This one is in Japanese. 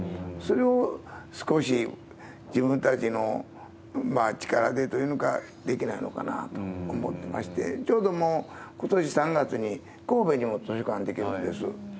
それを少し自分たちの力でというのか、できないのかなと思ってまして、ちょうどもう、ことし３月に神戸にも図書館出来るんです。